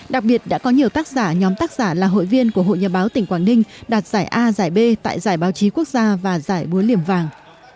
đặc biệt đã có nhiều tác giả nhóm tác giả là hội viên của hội nhà báo tỉnh quảng ninh đạt giải a giải b tại giải báo chí quốc gia và giải búa liềm vàng